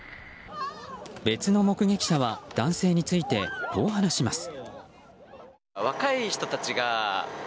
別の目撃者は男性についてこう話します。